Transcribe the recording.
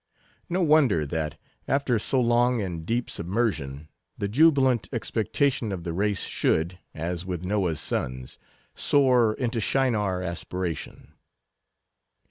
No wonder that, after so long and deep submersion, the jubilant expectation of the race should, as with Noah's sons, soar into Shinar aspiration.